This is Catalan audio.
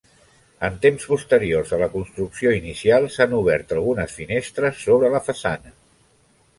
En temps posteriors a la construcció inicial s'han obert algunes finestres sobre la façana.